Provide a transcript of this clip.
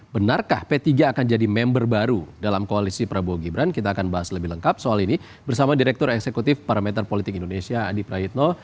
benarkah p tiga akan jadi member baru dalam koalisi prabowo gibran kita akan bahas lebih lengkap soal ini bersama direktur eksekutif parameter politik indonesia adi prayitno